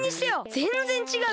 ぜんぜんちがうから。